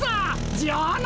じゃあな！